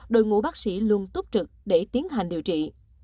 đội ngũ bác sĩ luôn túc trực để tiến hành điều trị